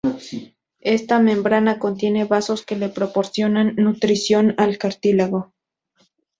Esta membrana contiene vasos que le proporcionan nutrición al cartílago.